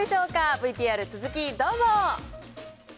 ＶＴＲ続き、どうぞ。